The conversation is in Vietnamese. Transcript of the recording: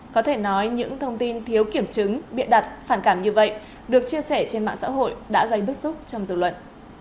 có thể nói những thông tin thiếu kiểm chứng bịa đặt phản cảm như vậy được chia sẻ trên mạng xã hội đã gây bức xúc trong dự luận